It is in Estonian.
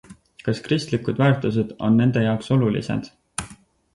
Kas kristlikud väärtused on nende jaoks olulised?